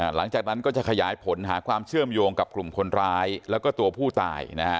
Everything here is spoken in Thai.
หลังจากนั้นก็จะขยายผลหาความเชื่อมโยงกับกลุ่มคนร้ายแล้วก็ตัวผู้ตาย